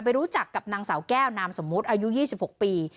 ไปรู้จักกับนางสาวแก้วนามสมมติอายุยี่สิบหกปี